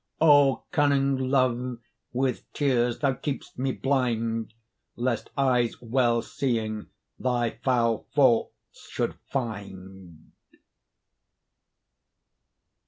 O cunning Love! with tears thou keep'st me blind, Lest eyes well seeing thy foul faults should find.